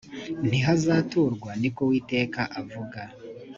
ntihazaturwa ni ko uwiteka avuga